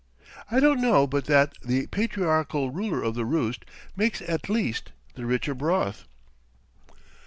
I don't know but that the patriarchal ruler of the roost makes at least the richer broth.